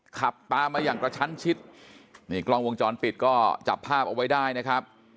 ขับตามมาอย่างกระชั้นชิดนี่กล้องวงจรปิดก็จับภาพเอาไว้ได้นะครับ